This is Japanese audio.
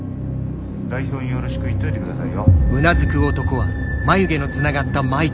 代表によろしく言っといて下さいよ。